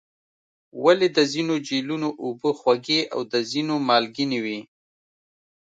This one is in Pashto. ولې د ځینو جهیلونو اوبه خوږې او د ځینو مالګینې وي؟